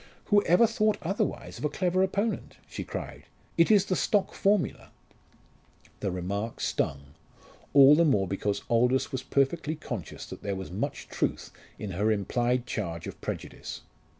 "Who ever thought otherwise of a clever opponent?" she cried. "It is the stock formula." The remark stung, all the more because Aldous was perfectly conscious that there was much truth in her implied charge of prejudice.